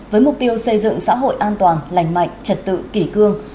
với mục tiêu xây dựng xã hội an toàn lành mạnh trật tự kỷ cương